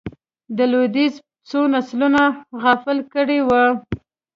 د لوېدیځ څو نسلونه غافل کړي وو.